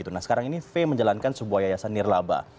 nah sekarang ini v menjalankan sebuah yayasan nirlaba